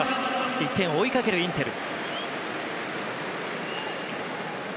１点を追いかけるインテル。